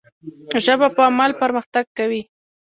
ژبه په عمل پرمختګ کوي.